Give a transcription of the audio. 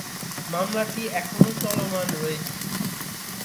মামলাটি এখনো চলমান রয়েছে।